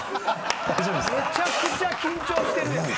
めちゃくちゃ緊張してるやん。